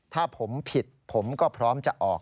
ถ้าผมผิดผมก็พร้อมจะออก